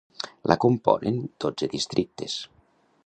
La componen dotze districtes.